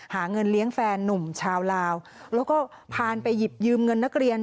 หาเงินเลี้ยงแฟนนุ่มชาวลาวแล้วก็พาไปหยิบยืมเงินนักเรียน